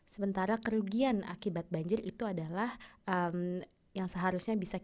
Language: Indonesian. sementara kerugian akibat banjir itu adalah yang seharusnya bisa kita